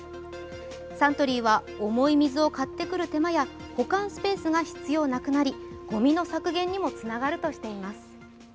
サントリーは、重い水を買ってくる手間や保管スペースの必要がなくなりごみの削減にもつながるとしています。